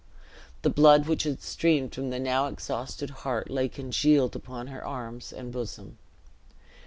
The blood which had streamed from the now exhausted heart, lay congealed upon her arms and bosom.